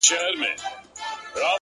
• سم وارخطا؛